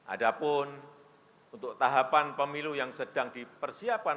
adapun untuk tahapan pemilu yang sedang dipersiapkan